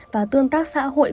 và tương tác xã hội